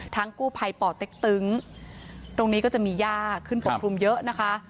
กู้ภัยป่อเต็กตึงตรงนี้ก็จะมีย่าขึ้นปกคลุมเยอะนะคะ